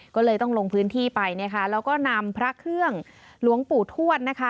ก็เลยต้องลงพื้นที่ไปนะคะแล้วก็นำพระเครื่องหลวงปู่ทวดนะคะ